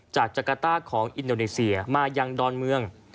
จากจักรต้าของอินโดนีเซียมายังดอนเมือง